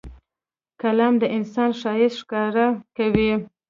قلم د انسان ښایست ښکاره کوي